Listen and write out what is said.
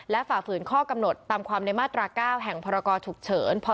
และฝ่าฝืนข้อกำหนดตามความในมาตราก้าวแห่งพศ๒๕๔๘